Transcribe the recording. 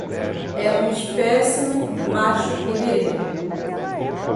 É um espécime macho e viril